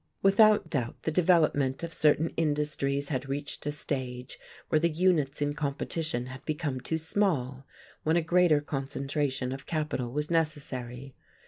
Without doubt the development of certain industries had reached a stage where the units in competition had become too small, when a greater concentration of capital was necessary.